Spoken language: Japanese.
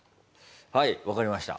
はいわかりました。